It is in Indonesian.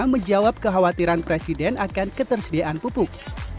menjawab kekhawatiran presiden akan ketersediaan pupuk